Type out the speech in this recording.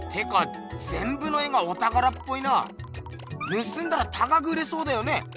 ぬすんだら高く売れそうだよね。